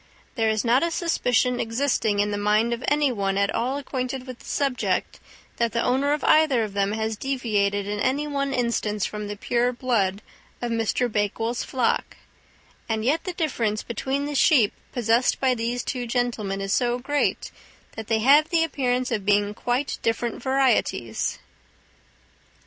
There is not a suspicion existing in the mind of any one at all acquainted with the subject that the owner of either of them has deviated in any one instance from the pure blood of Mr. Bakewell's flock, and yet the difference between the sheep possessed by these two gentlemen is so great that they have the appearance of being quite different varieties."